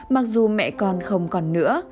mặc dù mẹ con không còn nữa